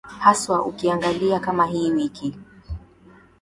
haswa ukiangalia kama hii wiki